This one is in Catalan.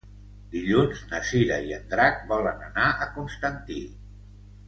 Dilluns na Cira i en Drac volen anar a Constantí.